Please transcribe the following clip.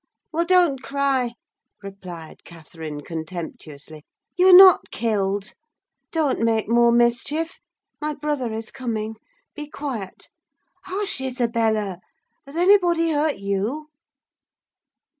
"Well, don't cry," replied Catherine, contemptuously; "you're not killed. Don't make more mischief; my brother is coming: be quiet! Hush, Isabella! Has anybody hurt _you?